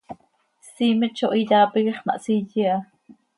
Siimet zo hiyaa piquix, ma hsiye aha.